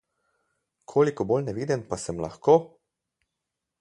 Koliko bolj neviden pa sem lahko?